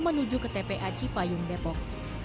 menuju ke tpa cipayung depok